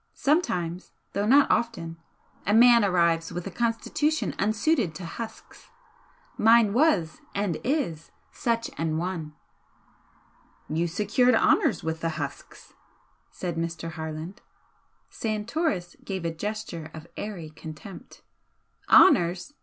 Sometimes though not often a man arrives with a constitution unsuited to husks. Mine was and is such an one." "You secured honours with the husks," said Mr. Harland. Santoris gave a gesture of airy contempt. "Honours!